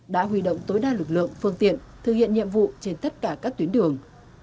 đã huy động tối đa lực lượng phương tiện thực hiện nhiệm vụ trên tất cả các tuyến đường